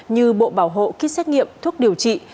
như bộ bảo hộ kýt xét nghiệm thuốc điều trị